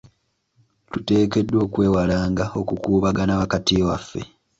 Tuteekeddwa okwewalanga okukuubagana wakati waffe.